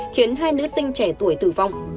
khiến hai nữ sinh trẻ tuổi tử vong